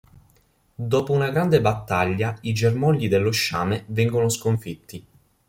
Dopo una grande battaglia i "germogli" dello Sciame vengono sconfitti.